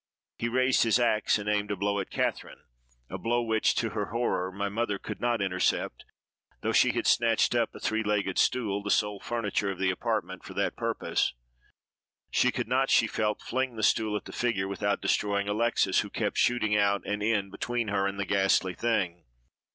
He raised his axe and aimed a blow at Catherine—a blow which, to her horror, my mother could not intercept, though she had snatched up a three legged stool, the sole furniture of the apartment, for that purpose. She could not, she felt, fling the stool at the figure without destroying Alexes, who kept shooting out and in between her and the ghastly thing.